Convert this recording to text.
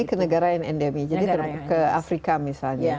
ini ke negara yang endemi jadi ke afrika misalnya